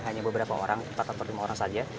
hanya beberapa orang empat atau lima orang saja